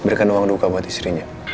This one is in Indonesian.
berikan uang duka buat istrinya